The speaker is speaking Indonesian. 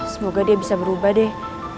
semoga dia bisa berubah deh